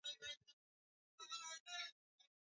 baada ya kumalizika vita Kinjeketile alihamia Kibata